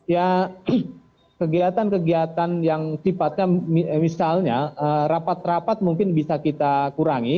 ya kegiatan kegiatan yang sifatnya misalnya rapat rapat mungkin bisa kita kurangi